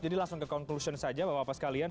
langsung ke conclusion saja bapak bapak sekalian